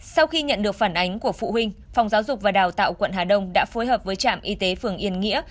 sau khi nhận được phản ánh của phụ huynh phòng giáo dục và đào tạo quận hà đông đã phối hợp với trạm y tế phường yên nghĩa